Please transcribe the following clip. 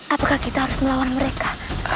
apakah kita harus melawan mereka